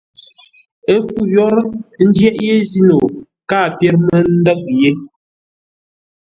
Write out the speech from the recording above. Ə́ fû yórə́, ə́ njyéʼ yé jíno, káa pyér mə́ ndə̂ʼ yé.